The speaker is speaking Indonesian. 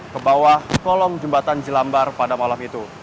ke bawah kolong jembatan jelambar pada malam itu